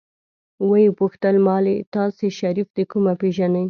ويې پوښتل مالې تاسې شريف د کومه پېژنئ.